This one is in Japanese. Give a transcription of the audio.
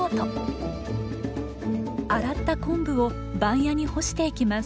洗った昆布を番屋に干していきます。